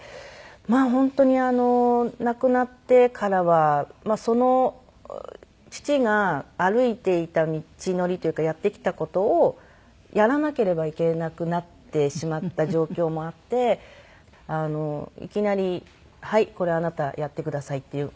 まあ本当に亡くなってからはその父が歩いていた道のりっていうかやってきた事をやらなければいけなくなってしまった状況もあっていきなりはいこれあなたやってくださいっていう。